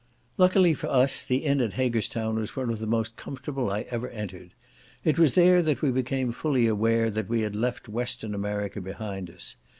Luckily for us, the inn at Haggerstown was one of the most comfortable I ever entered. It was there that we became fully aware that we had left Western America behind us.